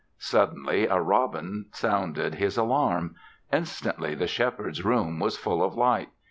Suddenly a robin sounded his alarm. Instantly, the Shepherd's room was full of light.